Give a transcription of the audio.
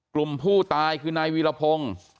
กลุ่มผู้ตายคือนายวีรพงศ์